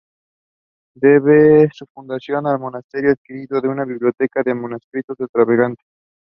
We have an orientation in this direction.